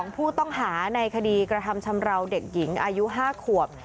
ผู้ต้องหาในคดีกระทำชำราวเด็กหญิงอายุ๕ขวบ